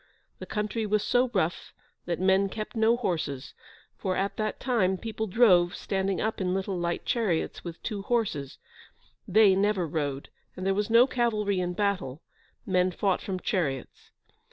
The country was so rough that men kept no horses, for, at that time, people drove, standing up in little light chariots with two horses; they never rode, and there was no cavalry in battle: men fought from chariots.